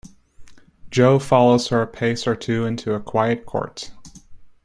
Jo follows her a pace or two into a quiet court.